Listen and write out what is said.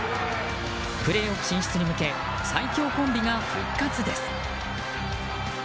プレーオフ進出に向けて最強コンビが復活です。